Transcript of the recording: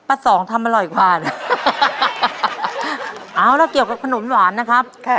สองทำอร่อยกว่านะเอาละเกี่ยวกับขนมหวานนะครับค่ะ